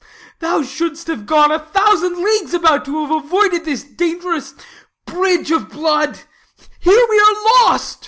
Oh, thou shouldst have gone A thousand leagues about to have avoided 80 This dangerous bridge of blood; here we are lost.